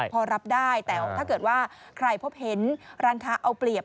พอรับได้แต่ถ้าเกิดว่าใครพบเห็นร้านค้าเอาเปรียบ